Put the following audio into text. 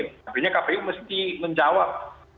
maksudnya kpu mesti menjawab